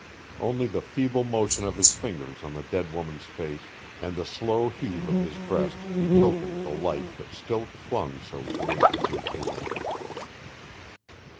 Only the feeble motion of his fingers on the dead woman's face and the slow heave of his breast betokened the life that still clung so tenaciously to him.